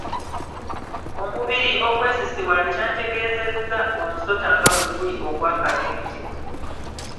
Omubiri okwesisiwala kyantegeezezza omusota nga bwe guli ogw'akabenje.